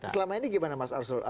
selama ini gimana mas arsul